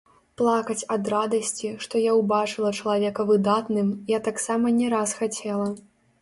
Плакаць ад радасці, што я ўбачыла чалавека выдатным, я таксама не раз хацела.